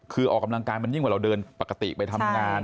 คือออกกำลังกายมันยิ่งกว่าเราเดินปกติไปทำงาน